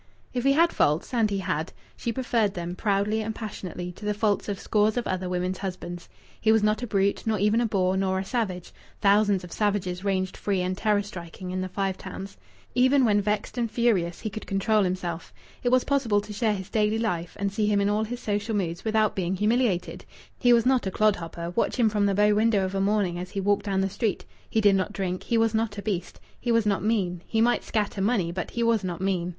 If he had faults and he had she preferred them (proudly and passionately) to the faults of scores of other women's husbands. He was not a brute, nor even a boor nor a savage thousands of savages ranged free and terror striking in the Five Towns. Even when vexed and furious he could control himself. It was possible to share his daily life and see him in all his social moods without being humiliated. He was not a clodhopper; watch him from the bow window of a morning as he walked down the street! He did not drink; he was not a beast. He was not mean. He might scatter money, but he was not mean.